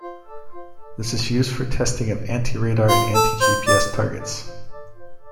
This is used for testing of anti radar and anti gps targets.